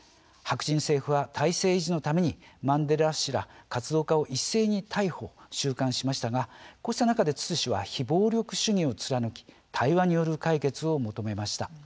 白人政府は体制維持のためにマンデラ氏ら活動家を一斉に逮捕、収監したんですがツツ氏は非暴力主義を貫き対話による解決を求めました。